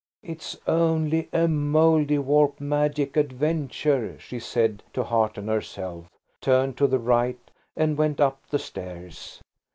"It's only a Mouldiwarp magic adventure," she said, to hearten herself, turned to the right, and went up the stairs.